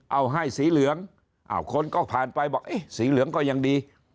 เอาให้สีเหลืองคนก็ผ่านไปบอกเอ๊ะสีเหลืองก็ยังดี